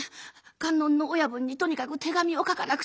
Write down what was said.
観音の親分にとにかく手紙を書かなくちゃ。